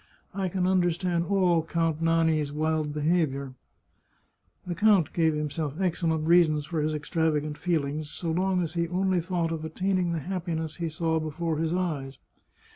I can understand all Count Nani's wild behaviour !" The count gave himself excellent reasons for his extrava gant feelings so long as he only thought of attaining the happiness he saw before his eyes.